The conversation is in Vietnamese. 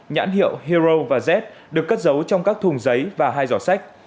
nhãn hiệu hero và z được cất giấu trong các thùng giấy và hai giỏ sách